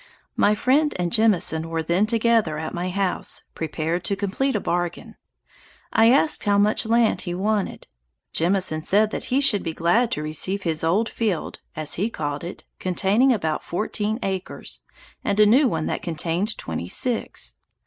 My friend and Jemison were then together at my house, prepared to complete a bargain. I asked how much land he wanted? Jemison said that he should be glad to receive his old field (as he called it) containing about fourteen acres, and a new one that contained twenty six.